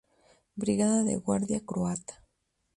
Brigada de Guardia Croata.